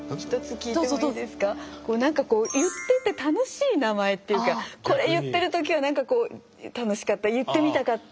何かこう言ってて楽しい名前っていうかこれ言っている時は何かこう楽しかった言ってみたかった。